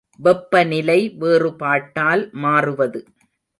வெப்பநிலை வேறுபாட்டால் மாறுவது.